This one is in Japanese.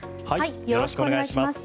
よろしくお願いします。